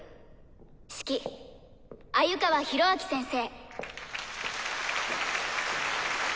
指揮鮎川広明先生。